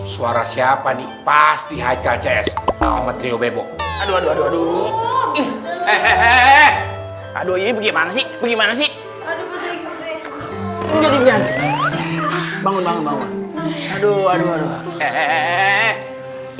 suara siapa nih pasti haikal cs kamu trio bebo aduh aduh aduh aduh aduh aduh aduh aduh aduh aduh